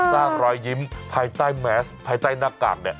รอยยิ้มภายใต้แมสภายใต้หน้ากากเนี่ย